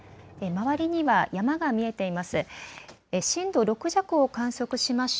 周りには山が見えています。